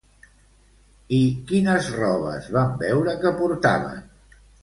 I quines robes van veure que portaven?